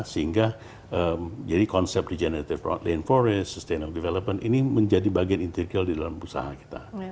sehingga jadi konsep regenerative land forest sustainable development ini menjadi bagian integral di dalam usaha kita